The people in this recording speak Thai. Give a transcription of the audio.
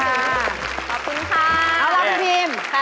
เอาละพี่พิม